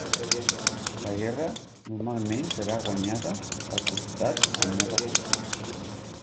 La guerra normalment serà guanyada pel costat amb més recursos.